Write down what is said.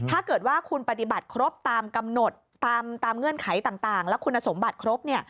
ถ้าเกิดว่าคุณปฏิบัติครบตามกำหนดตามเงื่อนไขต่างและคุณสมบัติครบเนี่ย